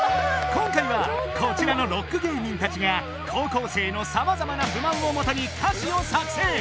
今回はこちらのロック芸人達が高校生の様々な不満をもとに歌詞を作成